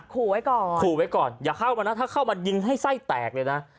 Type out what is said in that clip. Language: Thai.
ขู่ไว้ก่อนขู่ไว้ก่อนอย่าเข้ามานะถ้าเข้ามายิงให้ไส้แตกเลยนะ